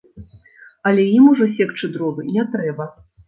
Але ім ужо секчы дровы не трэба.